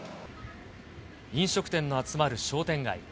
飲食店の集まる商店街。